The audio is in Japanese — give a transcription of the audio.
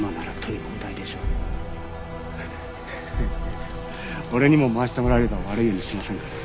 フフッ俺にも回してもらえれば悪いようにしませんから。